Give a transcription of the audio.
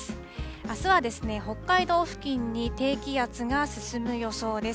あすは北海道付近に低気圧が進む予想です。